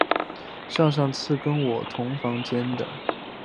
上上次跟我同房间的